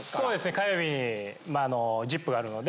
火曜日に『ＺＩＰ！』があるので。